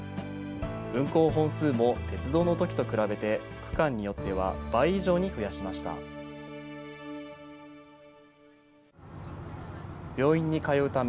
運行本数も鉄道のときと比べて、区間によっては倍以上に増やしました。